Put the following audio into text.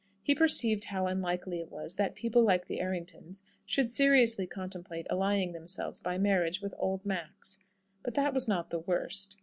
He perceived how unlikely it was, that people like the Erringtons should seriously contemplate allying themselves by marriage with "old Max;" but that was not the worst.